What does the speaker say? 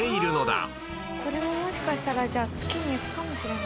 これはもしかしたらじゃあ月に行くかもしれない。